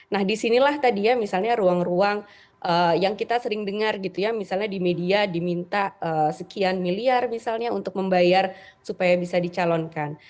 nah disinilah tadi ya misalnya ruang ruang yang kita sering dengar gitu ya misalnya di media diminta sekian miliar misalnya untuk membayar supaya bisa dicalonkan